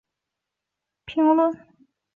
内容有当地舞台等娱乐圈新闻及观影评论等。